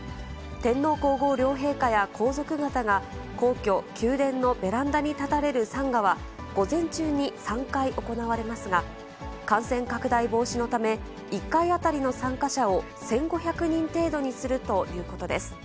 天皇皇后両陛下や皇族方が、皇居・宮殿のベランダに立たれる参賀は、午前中に３回行われますが、感染拡大防止のため、１回当たりの参加者を１５００人程度にするということです。